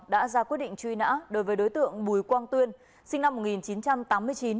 đã ra quyết định truy nã đối với đối tượng bùi quang tuyên sinh năm một nghìn chín trăm tám mươi chín